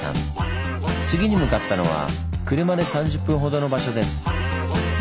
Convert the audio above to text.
次に向かったのは車で３０分ほどの場所です。